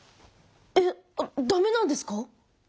えっだめなんですか？